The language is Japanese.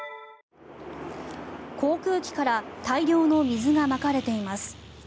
航空機から大量の水がまかれています。